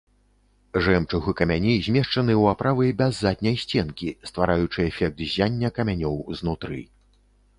Жэмчуг і камяні змешчаны ў аправы без задняй сценкі, ствараючы эфект ззяння камянёў знутры.